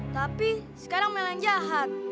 tapi sekarang mel yang jahat